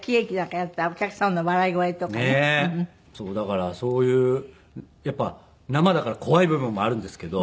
だからそういうやっぱり生だから怖い部分もあるんですけど。